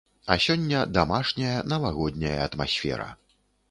А сёння дамашняя, навагодняя атмасфера.